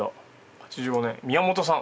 ８５年宮本さん。